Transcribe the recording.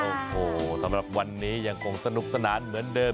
โอ้โหสำหรับวันนี้ยังคงสนุกสนานเหมือนเดิม